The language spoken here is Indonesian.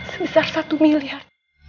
sebesar satu miliar